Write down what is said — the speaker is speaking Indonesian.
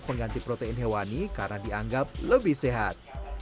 pengganti protein hewani karena dianggap lebih sehat